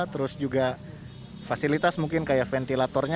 terus juga fasilitas mungkin kayak ventilatornya